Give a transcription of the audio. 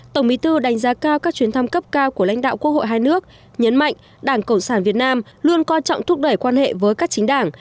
tổng bí thư đánh giá cao các chuyến thăm cấp cao của lãnh đạo quốc hội hai nước nhấn mạnh đảng cộng sản việt nam luôn coi trọng thúc đẩy quan hệ với các chính đảng